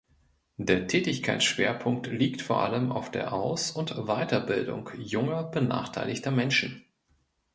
Der Tätigkeitsschwerpunkt liegt vor allem auf der Aus- und Weiterbildung junger benachteiligter Menschen.